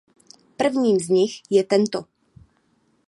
Prvním z nich je tento.